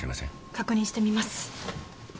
確認してみます。